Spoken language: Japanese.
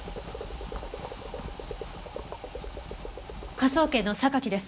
科捜研の榊です。